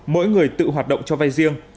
mỗi người tự hoạt động cho vay riêng